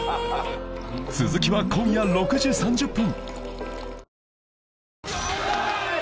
続きは今夜６時３０分